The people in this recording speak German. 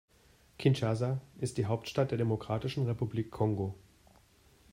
Kinshasa ist die Hauptstadt der Demokratischen Republik Kongo.